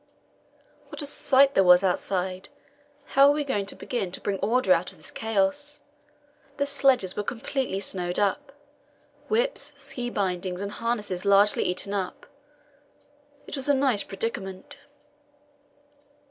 What a sight there was outside! How were we going to begin to bring order out of this chaos? The sledges were completely snowed up; whips, ski bindings, and harness largely eaten up. It was a nice predicament.